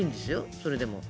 それでも。